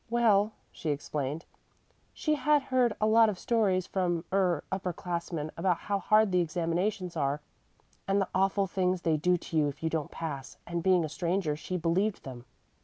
"Well," she explained, "she had heard a lot of stories from er upper classmen about how hard the examinations are, and the awful things they do to you if you don't pass, and being a stranger, she believed them.